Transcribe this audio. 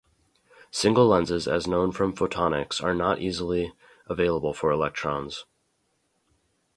Single lenses as known from photonics are not easily available for electrons.